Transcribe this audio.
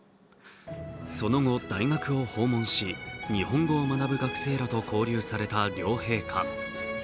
その後、大学を訪問し、日本語を学ぶ学生らと交流された両陛下。